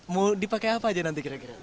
mau dipakai apa aja nanti kira kira